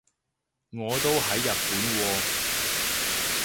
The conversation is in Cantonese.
我都喺日本喎